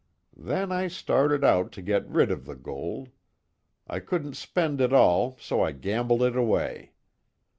Then I started out to get rid of the gold. I couldn't spend it all so I gambled it away.